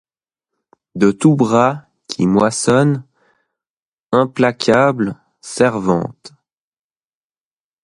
De tout bras qui moissonne implacable servante